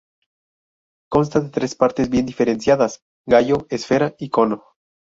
Consta de tres partes bien diferenciadas: gallo, esfera y cono.